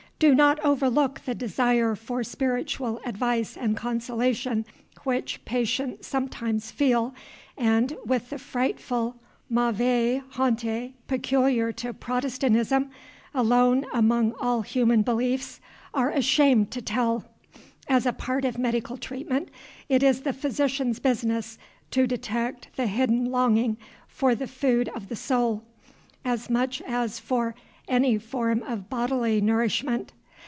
Do not overlook the desire for spiritual advice and consolation which patients sometimes feel, and, with the frightful mauvaise honte peculiar to Protestantism, alone among all human beliefs, are ashamed to tell. As a part of medical treatment, it is the physician's business to detect the hidden longing for the food of the soul, as much as for any form of bodily nourishment.